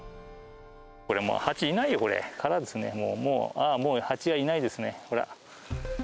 これはもう、ハチいないよ、これ、空ですね、もうハチはいないですね、ほら。